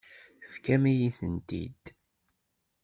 Tefkamt-iyi-tent-id.